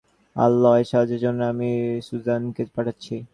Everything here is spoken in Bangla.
আর, লয়েড, সাহায্যের জন্য আমি সুজ্যানকে পাঠাচ্ছি।